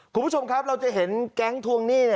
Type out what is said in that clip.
คุณผู้ชมครับเราจะเห็นแก๊งทวงหนี้